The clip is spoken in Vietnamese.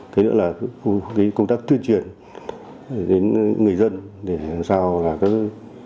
cái nữa là công tác tuyên truyền đến người dân để làm sao là có tham gia tố rác tội phạm